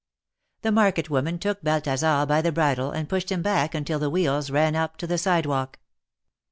The market woman took Balthasar by the bridle, and pushed him back until the wheels ran up to the sidewalk.